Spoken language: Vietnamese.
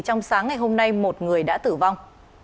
trong sáng ngày hôm nay một người đã tử vong